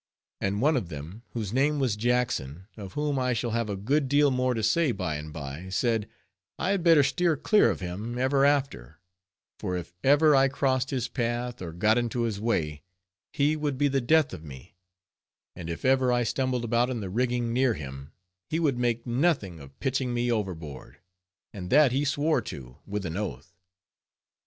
And one of them, whose name was Jackson, of whom I shall have a good deal more to say by and by, said, I had better steer clear of him ever after, for if ever I crossed his path, or got into his way, he would be the death of me, and if ever I stumbled about in the rigging near him, he would make nothing of pitching me overboard; and that he swore too, with an oath.